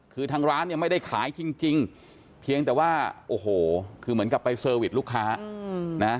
คือทางร้านเนี่ยไม่ได้ขายจริงเพียงแต่ว่าโอ้โหคือเหมือนกับไปเซอร์วิสลูกค้านะ